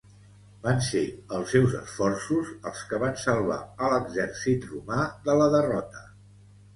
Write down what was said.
Van ser els seus esforços els que van salvar a l'exèrcit romà de la derrota.